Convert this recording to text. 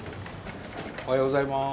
おはようございます。